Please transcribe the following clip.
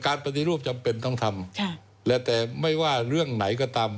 ปฏิรูปจำเป็นต้องทำและแต่ไม่ว่าเรื่องไหนก็ตาม